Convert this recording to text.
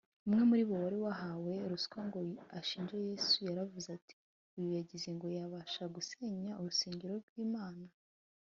umwe muri bo, wari wahawe ruswa ngo ashinje yesu, yaravuze ati, “uyu yagize ngo yabasha gusenya urusengero rw’imana